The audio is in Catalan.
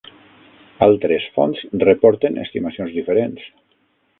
Altres fonts reporten estimacions diferents.